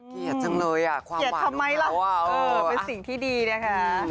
เกลียดจังเลยอ่ะสิ่งที่ดีนะคะ